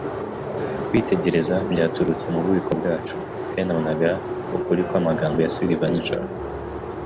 kwitegereza, byaturutse mububiko bwacu, kandi nabonaga ukuri kwamagambo ya silver nijoro